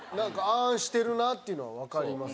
「あん」してるなっていうのはわかります。